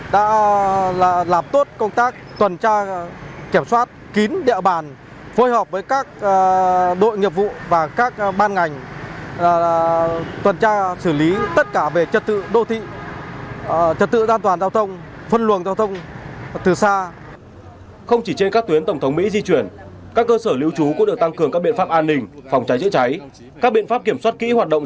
đã làm tốt công tác tuần tra kiểm soát kín địa bàn phối hợp với các đội nghiệp vụ và các ban ngành tuần tra xử lý tất cả về trật tự đô thị trật tự an toàn giao thông phân luồng giao thông